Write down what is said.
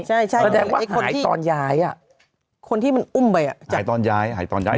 ใช่ใช่แสดงว่าหายตอนย้ายอ่ะคนที่มันอุ้มไปอ่ะหายตอนย้ายหายตอนย้าย